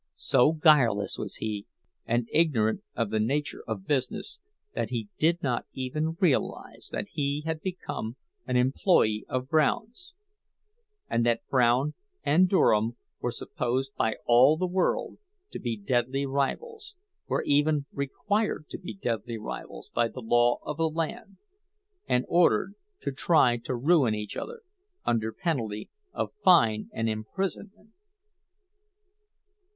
So guileless was he, and ignorant of the nature of business, that he did not even realize that he had become an employee of Brown's, and that Brown and Durham were supposed by all the world to be deadly rivals—were even required to be deadly rivals by the law of the land, and ordered to try to ruin each other under penalty of fine and imprisonment!